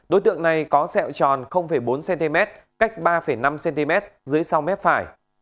đối tượng này có sẹo tròn bốn cm cách ba năm cm dưới sau mép phải